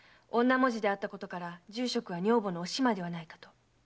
女文字であったことから住職は女房のお島ではないかと。